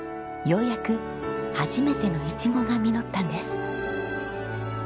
ようやく初めてのイチゴが実ったんです。